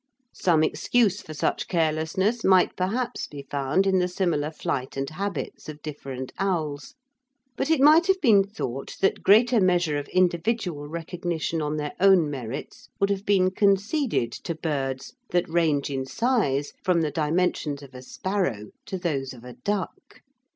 Some excuse for such carelessness might perhaps be found in the similar flight and habits of different owls, but it might have been thought that greater measure of individual recognition on their own merits would have been conceded to birds that range in size from the dimensions of a sparrow to those of a duck.